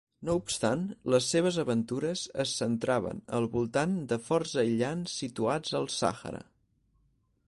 No obstant, les seves aventures es centraven al voltant de forts aïllats situats al Sàhara.